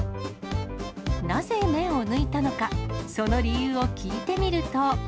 なぜ麺を抜いたのか、その理由を聞いてみると。